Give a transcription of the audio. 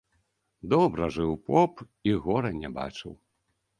Добра жыў поп і гора не бачыў.